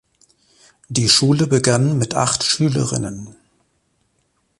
Die Schule begann mit acht Schülerinnen.